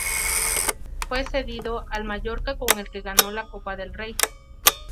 Fue cedido al Mallorca con el que ganó la Copa del Rey.